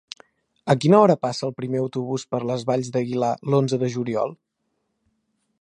A quina hora passa el primer autobús per les Valls d'Aguilar l'onze de juliol?